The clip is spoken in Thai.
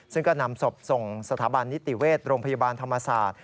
ซึ่งก็นำศพส่งสถาบันนิติเวชโรงพยาบาลธรรมศาสตร์